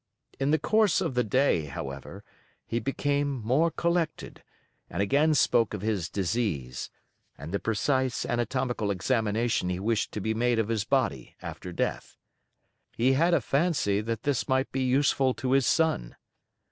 In the course of the day, however, he became more collected, and again spoke of his disease, and the precise anatomical examination he wished to be made of his body after death. He had a fancy that this might be useful to his son."